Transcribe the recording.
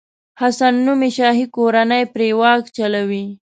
حسن نومي شاهي کورنۍ پرې واک چلوي.